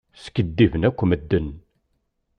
Skidiben akk medden.